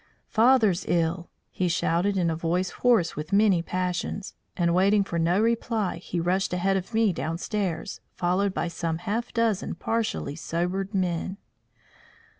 "Father's ill!" he shouted in a voice hoarse with many passions; and waiting for no reply, he rushed ahead of me downstairs, followed by some half dozen partially sobered men.